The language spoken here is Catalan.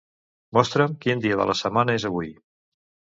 Mostra'm quin dia de la setmana és avui.